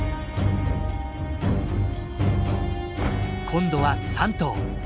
今度は３頭。